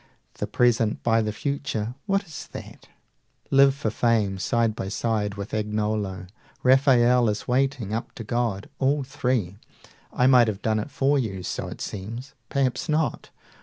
The present by the future, what is that? Live for fame, side by side with Agnolo! 130 Rafael is waiting: up to God, all three!" I might have done it for you. So it seems: Perhaps not.